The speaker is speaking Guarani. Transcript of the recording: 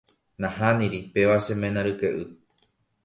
Nahániri, péva che ména ryke'y.